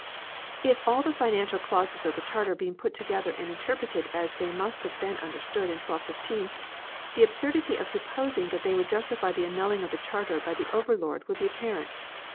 If all the financial clauses of the Charter be put together and interpreted as they must have been understood in 1215, the absurdity of supposing that they would justify the annulling of the Charter by the overlord will be appar ent.